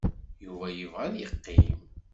Yuba yebɣa ad yeqqim.